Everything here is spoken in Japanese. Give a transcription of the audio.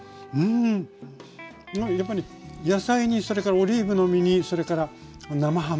いやあやっぱり野菜にそれからオリーブの実にそれから生ハム。